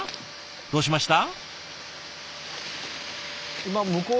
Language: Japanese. どうしました？